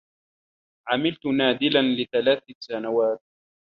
عملت نادلًا لثلاث سنوات.